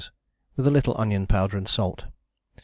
with a little onion powder and salt.